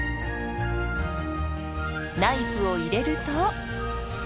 ナイフを入れると。